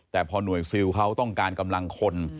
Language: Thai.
แต่พอหน่วยซิลเขาต้องการกำลังคน